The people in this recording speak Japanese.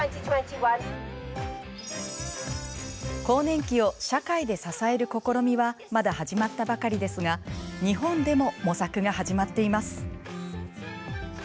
更年期を社会で支える試みはまだ始まったばかりですが日本でも模索が始まっています。